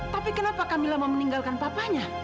tapi kenapa kamila mau meninggalkan papanya